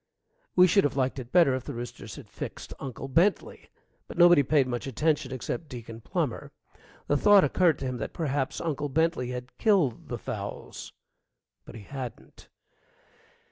We should have liked it better if the roosters had fixed Uncle Bentley. But nobody paid much attention except Deacon Plummer. The thought occurred to him that perhaps Uncle Bentley had killed the fowls. But he hadn't.